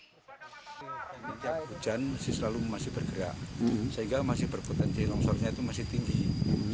setiap hujan masih bergerak sehingga potensi longsornya masih tinggi